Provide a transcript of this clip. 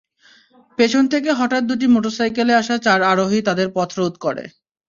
পেছন থেকে হঠাৎ দুটি মোটরসাইকেলে আসা চার আরোহী তাঁদের পথরোধ করে।